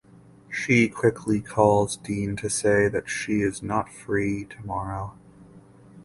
She quickly calls Dean to say that she is not free tomorrow.